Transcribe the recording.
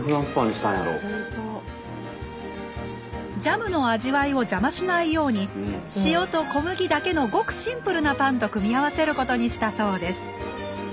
ジャムの味わいを邪魔しないように塩と小麦だけのごくシンプルなパンと組み合わせることにしたそうです。